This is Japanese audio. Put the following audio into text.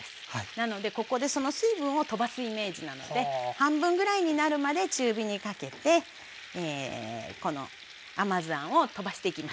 なのでここでその水分を飛ばすイメージなので半分ぐらいになるまで中火にかけてこの甘酢あんを飛ばしていきましょう。